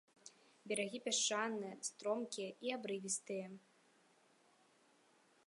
Берагі пясчаныя, стромкія і абрывістыя.